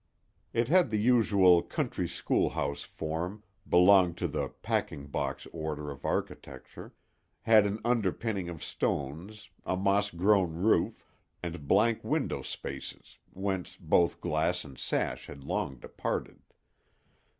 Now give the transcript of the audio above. It had the usual country schoolhouse form—belonged to the packing box order of architecture; had an underpinning of stones, a moss grown roof, and blank window spaces, whence both glass and sash had long departed.